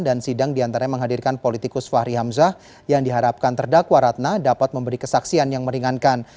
dan sidang diantaranya menghadirkan politikus fahri hamzah yang diharapkan terdakwa ratna dapat memberi kesaksian yang meringankan